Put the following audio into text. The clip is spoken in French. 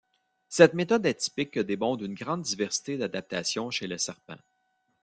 Cette méthode atypique démontre une grande diversité d'adaptation chez les serpents.